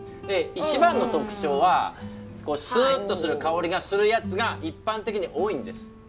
で一番の特徴はスッとする香りがするやつが一般的に多いんです。